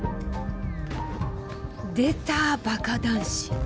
出た、バカ男子。